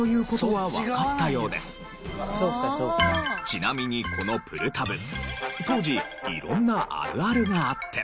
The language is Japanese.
ちなみにこのプルタブ当時色んなあるあるがあって。